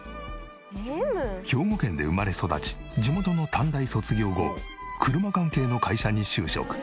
兵庫県で生まれ育ち地元の短大卒業後車関係の会社に就職。